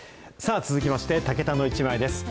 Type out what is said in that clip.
続きまして、タケタのイチマイです。